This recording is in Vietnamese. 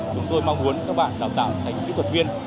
chúng tôi mong muốn các bạn đào tạo thành kỹ thuật viên